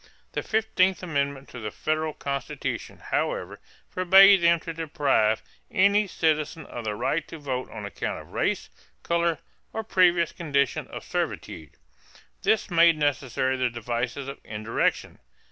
The fifteenth amendment to the federal Constitution, however, forbade them to deprive any citizen of the right to vote on account of race, color, or previous condition of servitude. This made necessary the devices of indirection.